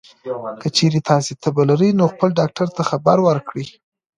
که چېرې تاسو تبه لرئ، نو خپل ډاکټر ته خبر ورکړئ.